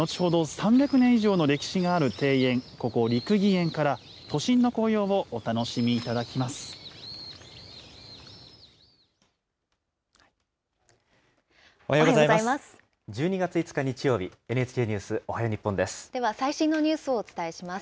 ３００年以上の歴史がある庭園、ここ、六義園から都心の紅葉をお楽しみいただきます。